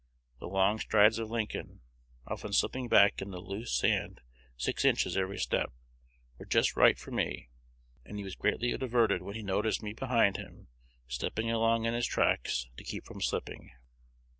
The long strides of Lincoln, often slipping back in the loose sand six inches every step, were just right for me; and he was greatly diverted when he noticed me behind him stepping along in his tracks to keep from slipping.